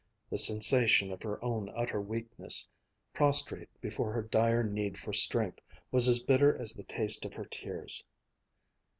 The sensation of her own utter weakness, prostrate before her dire need for strength, was as bitter as the taste of her tears.